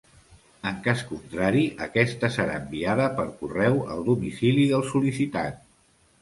En cas contrari aquesta serà enviada per correu al domicili del sol·licitant.